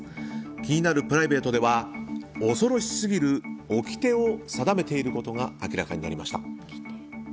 気になるプライベートでは恐ろしすぎる掟を定めていることが明らかになりました。